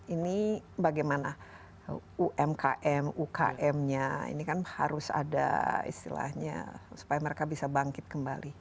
ini bagaimana umkm umkm nya ini kan harus ada istilahnya supaya mereka bisa bangkit kembali